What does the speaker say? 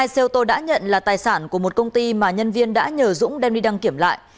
hai xe ô tô đã nhận là tài sản của một công ty mà nhân viên đã nhờ dũng đem đi đăng kiểm lại